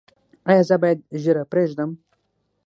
ایا زه باید ږیره پریږدم؟